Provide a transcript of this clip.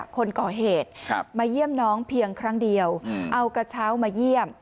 คนก่อเหตุมาเยี่ยมน้องเพียงครั้งเดียวเอากระเช้ามาเยี่ยม